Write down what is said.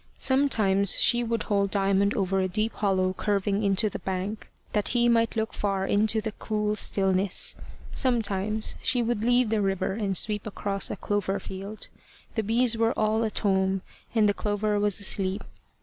Sometimes she would hold Diamond over a deep hollow curving into the bank, that he might look far into the cool stillness. Sometimes she would leave the river and sweep across a clover field. The bees were all at home, and the clover was asleep.